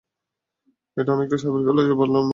এটা অনেকটা সাপের খোলস পালটানোর মতো।